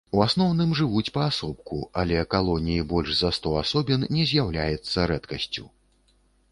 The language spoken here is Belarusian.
У асноўным жывуць паасобку, але калоніі больш за сто асобін не з'яўляецца рэдкасцю.